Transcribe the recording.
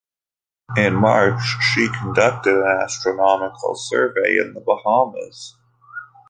In March, she conducted an astronomical survey in the Bahamas.